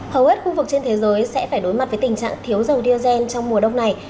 hầu hết khu vực trên thế giới sẽ phải đối mặt với tình trạng thiếu dầu diazen trong mùa đông này